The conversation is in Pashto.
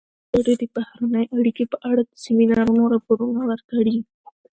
ازادي راډیو د بهرنۍ اړیکې په اړه د سیمینارونو راپورونه ورکړي.